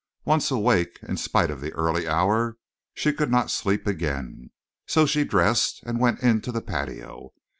Once awake, in spite of the early hour, she could not sleep again, so she dressed and went into the patio.